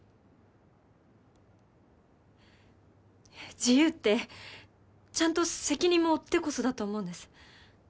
自由ってちゃんと責任も負ってこそだと思うんです。